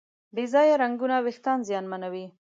بې ځایه رنګونه وېښتيان زیانمنوي.